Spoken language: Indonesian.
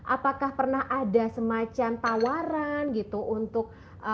apakah pernah ada semacam tawaran gitu untuk